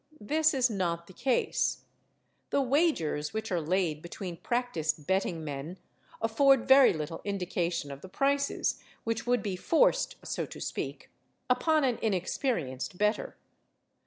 This is not the case. The wagers which are laid between practised betting men afford very little indication of the prices which would be forced (so to speak) upon an inexperienced bettor.